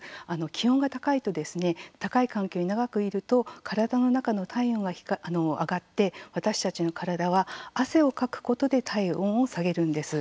気温が高いとですね高い環境に長くいると体の中の体温が上がって私たちの体は汗をかくことで体温を下げるんです。